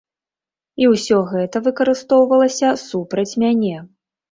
І ўсё гэта выкарыстоўвалася супраць мяне.